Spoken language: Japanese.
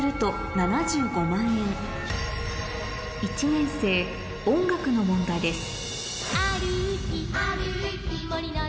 １年生音楽の問題です